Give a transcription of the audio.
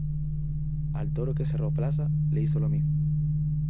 Al toro que cerró plaza le hizo lo mismo.